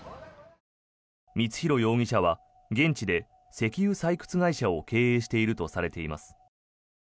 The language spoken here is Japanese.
光弘容疑者は現地で石油採掘会社を経営しているとされています。